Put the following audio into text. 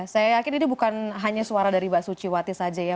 saya yakin ini bukan hanya suara dari mbak suciwati saja ya